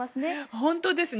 本当ですね。